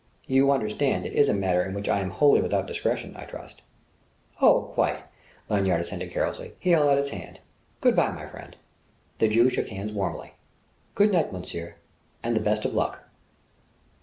You understand, it is a matter in which I am wholly without discretion, I trust?" "O quite!" Lanyard assented carelessly. He held out his hand. "Good bye, my friend." The Jew shook hands warmly. "Good night, monsieur and the best of luck!"